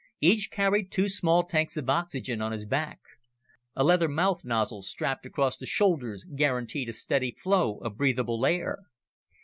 Each carried two small tanks of oxygen on his back. A leather mouth nozzle strapped across the shoulders guaranteed a steady flow of breathable air.